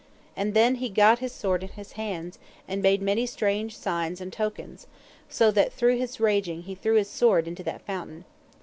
And then he gat his sword in his hands, and made many strange signs and tokens; and so through his raging he threw his sword into that fountain.